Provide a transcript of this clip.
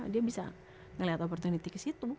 dia bisa melihat kesempatan ke situ